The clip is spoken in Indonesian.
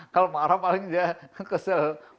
kalau marah paling kesel